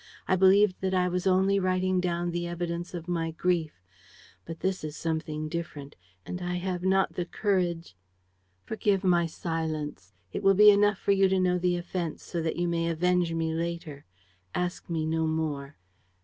I believed that I was only writing down the evidence of my grief. But this is something different; and I have not the courage. ... Forgive my silence. It will be enough for you to know the offense, so that you may avenge me later. Ask me no more.